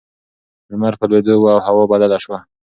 لمر په لوېدو و او هوا بدله شوه.